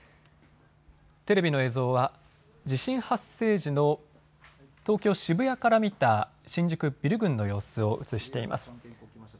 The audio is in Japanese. テレビの映像は地震発生時の東京渋谷から見た新宿ビル群の様子を写しています。